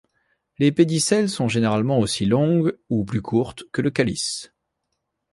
Les pédicelles sont généralement aussi longues ou plus courtes que le calice.